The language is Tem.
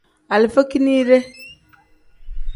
Alifa kinide.